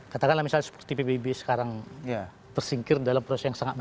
katakanlah misalnya seperti pbb sekarang tersingkir dalam proses yang sangat baik